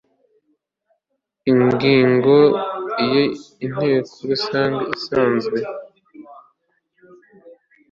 ingingo ya inteko rusange isanzwe